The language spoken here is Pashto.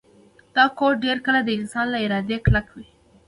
دا کوډ ډیر کله د انسان له ارادې کلک وي